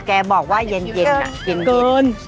แกบอกว่าเย็นเย็นอะเย็นเย็นเกิน